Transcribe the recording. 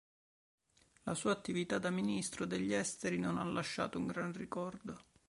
La sua attività da ministro degli esteri non ha lasciato un gran ricordo.